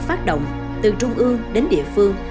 phát động từ trung ương đến địa phương